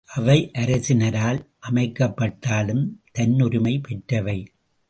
அவை அரசினரால் அமைக்கப்பட்டாலும் தன்னுரிமை பெற்றவை.